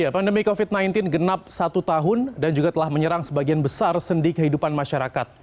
pandemi covid sembilan belas genap satu tahun dan juga telah menyerang sebagian besar sendi kehidupan masyarakat